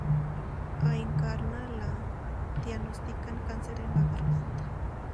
A Encarna le diagnostican cáncer en la garganta.